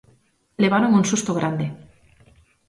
Levaron un susto grande.